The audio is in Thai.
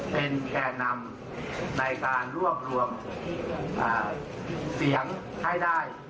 เป็นแก่นำในการรวบรวมเสียงให้ได้